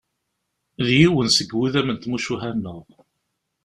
D yiwen seg iwudam n tmucuha-nneɣ.